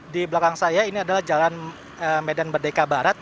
di belakang saya ini adalah jalan medan merdeka barat